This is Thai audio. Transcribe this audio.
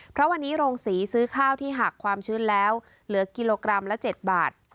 เพราะวันนี้โรงศรีซื้อข้าวที่หักความชื้นแล้วเหลือกิโลกรัมละ๗บาท